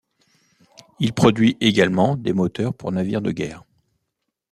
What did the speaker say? Il produit également des moteurs pour navires de guerre.